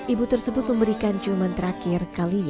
ibu tersebut memberikan ciuman terakhir